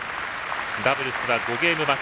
ダブルスは５ゲームマッチ。